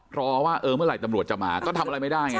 เพราะว่าเออเมื่อไหร่ตำรวจจะมาก็ทำอะไรไม่ได้ไง